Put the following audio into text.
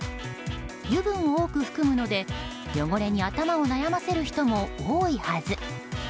油分を多く含むので汚れに頭を悩ませる人も多いはず。